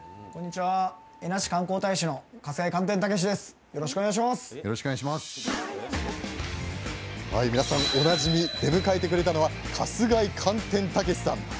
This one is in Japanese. はい皆さんおなじみ出迎えてくれたのは春日井“寒天”たけしさん。